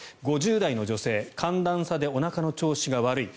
５０代の女性寒暖差でおなかの調子が悪い。